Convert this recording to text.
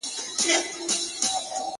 د جرګو ورته راتلله رپوټونه،